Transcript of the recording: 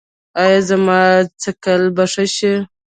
ایا زما څکل به ښه شي؟